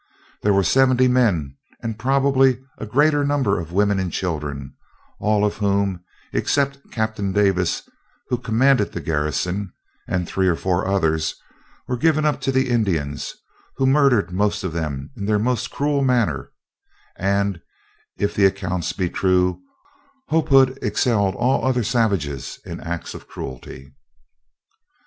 There were seventy men and probably a greater number of women and children; all of whom, except Captain Davis, who commanded the garrison, and three or four others, were given up to the Indians, who murdered most of them in their most cruel manner; and, if the accounts be true, Hopehood excelled all other savages in acts of cruelty."